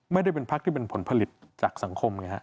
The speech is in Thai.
ไม่ได้เป็นภักดิ์ที่เป็นผลผลิตจากสังคม